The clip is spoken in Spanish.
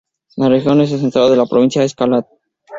La región en el centro de la provincia es Kalat.